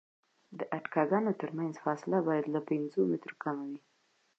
د اتکاګانو ترمنځ فاصله باید له پنځو مترو کمه وي